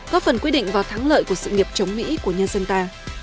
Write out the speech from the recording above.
góp phần quyết định vào thắng lợi của sự nghiệp chống mỹ của nhân dân ta